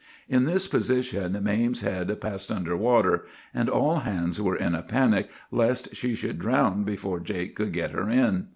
"In this position Mame's head passed under water, and all hands were in a panic lest she should drown before Jake could get her in.